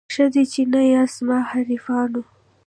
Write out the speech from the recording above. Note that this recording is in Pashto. ښه دی چي نه یاست زما حریفانو